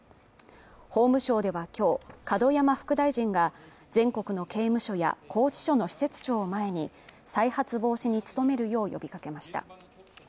法務省では今日門山副大臣が全国の刑務所や拘置所の施設長を前に再発防止に努めるよう呼びかけました。